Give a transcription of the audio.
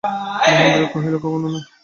মহেন্দ্র কহিল, কখনো না?